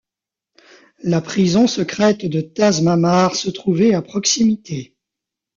La prison secrète de Tazmamart se trouvait à proximité.